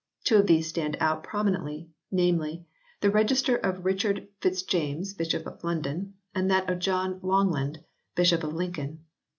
Two of these stand out prominently, namely, the register of Richard Fitz james, Bishop of London, and that of John Longland, Bishop of Lincoln.